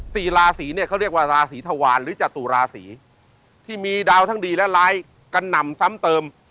สี่ราศีเนี่ยเขาเรียกว่าราศีธวารหรือจตุราศีที่มีดาวทั้งดีและร้ายกระหน่ำซ้ำเติม